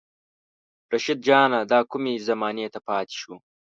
رشيد جانه دا کومې زمانې ته پاتې شو